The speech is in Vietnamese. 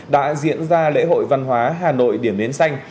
đã diễn ra lễ hội văn hóa hà nội điểm đến xanh